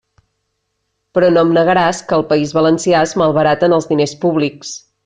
Però no em negaràs que al País Valencià es malbaraten els diners públics.